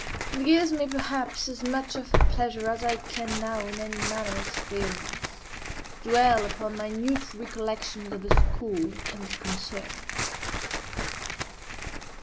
It gives me, perhaps, as much of pleasure as I can now in any manner experience to dwell upon minute recollections of the school and its concerns.